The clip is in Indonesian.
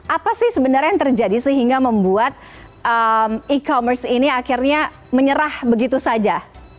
apa sih sebenarnya yang terjadi sehingga membuat e commerce ini akhirnya menyerah begitu saja